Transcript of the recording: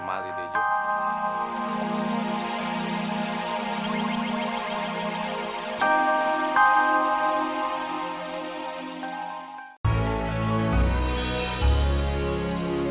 aku mah tipe jok